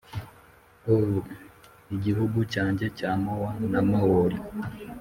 o, igihugu cyanjye cya moa na maori,